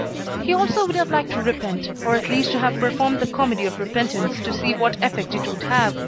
He also would have liked to repent, or at least to have performed the comedy of repentance, to see what effect it would have.